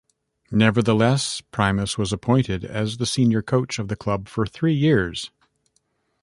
Nevertheless, Primus was appointed as the senior coach of the club for three years.